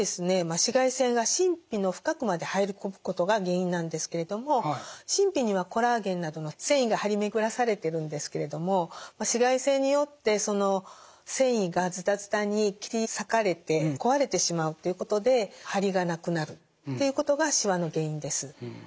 紫外線が真皮の深くまで入り込むことが原因なんですけれども真皮にはコラーゲンなどの線維が張り巡らされてるんですけれども紫外線によってその線維がズタズタに切り裂かれて壊れてしまうっていうことでハリがなくなるっていうことがしわの原因です。